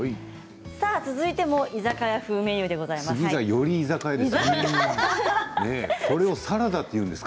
続いても居酒屋風メニューでございます。